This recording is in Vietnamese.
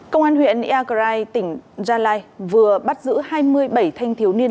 công an huyện yaka rai tỉnh gia lai vừa bắt giữ hai mươi bảy thanh thiếu niên